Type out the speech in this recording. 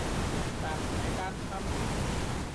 但唔使擔心